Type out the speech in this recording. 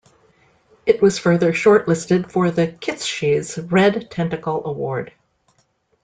It was further shortlisted for The Kitschies Red Tentacle award.